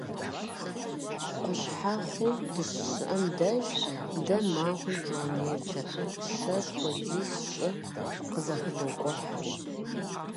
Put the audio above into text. Къущхьэхъу дыщыщыӀэм деж, дэ махуэм километр щэщӏ хуэдиз щӀы къызэхыдокӀухь.